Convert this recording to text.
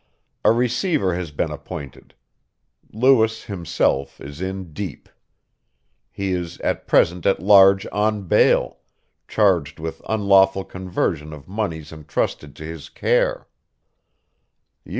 A receiver has been appointed. Lewis himself is in deep. He is at present at large on bail, charged with unlawful conversion of moneys entrusted to his care.